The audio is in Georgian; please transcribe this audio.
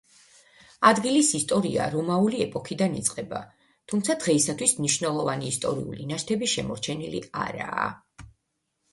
ადგილის ისტორია რომაული ეპოქიდან იწყება, თუმცა დღეისათვის მნიშვნელოვანი ისტორიული ნაშთები შემორჩენილი არაა.